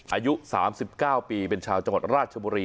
อายุ๓๙ปีเป็นชาวจังหวัดราชบุรี